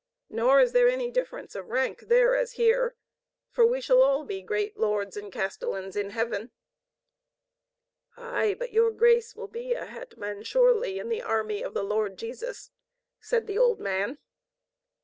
Nor is there any difference of rank there as here, for we shall all be great lords and castellans in heaven." "Aye, but your grace will be a hetman surely in the army of the Lord Jesus," said the old man.